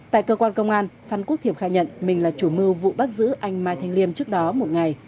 tại cơ quan công an phan quốc thiệp khai nhận mình là chủ mưu vụ bắt giữ anh mai thanh liêm trước đó một ngày